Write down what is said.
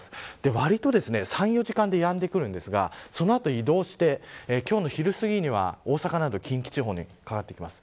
割と３、４時間でやんできますがその後移動して今日の昼すぎには大阪など近畿地方でかかってきます。